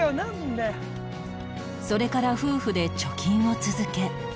それから夫婦で貯金を続け